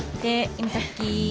今さっき。